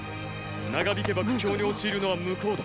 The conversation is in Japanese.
長引けば苦境に陥るのは向こうだ。